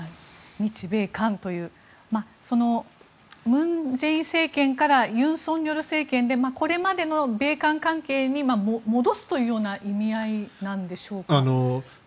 日米韓という文在寅政権から尹錫悦政権でこれまでの米韓関係に戻すというような意味合いなんでしょうか。